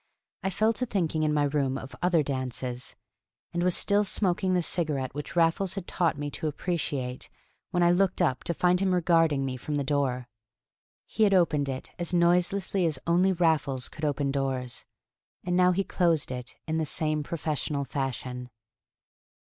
I fell to thinking in my room of other dances ... and was still smoking the cigarette which Raffles had taught me to appreciate when I looked up to find him regarding me from the door. He had opened it as noiselessly as only Raffles could open doors, and now he closed it in the same professional fashion.